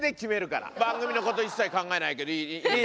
番組のこと一切考えないけどいいですね？